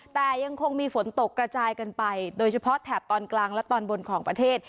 แต่ยังคงมีฝนตกกระจายกันไปโดยเฉพาะแถบตอนกลางและตอนบนของประเทศ